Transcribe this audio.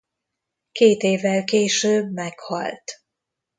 Két évvel később meghalt.